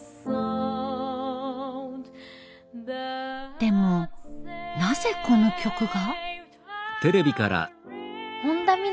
でもなぜこの曲が？